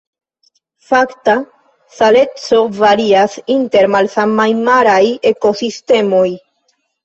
Fakta saleco varias inter malsamaj maraj ekosistemoj.